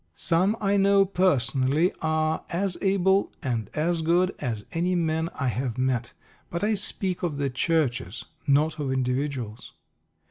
Some I know personally are as able and as good as any men I have met; but I speak of the Churches, not of individuals.